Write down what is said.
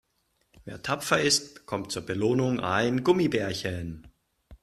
Wer tapfer ist, bekommt zur Belohnung ein Gummibärchen.